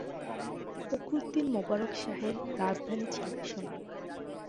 ফখরুদ্দিন মোবারক শাহের রাজধানী ছিল সোনারগাঁও।